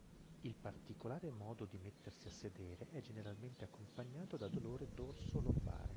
Il particolare modo di mettersi a sedere è generalmente accompagnato da dolore dorso-lombare.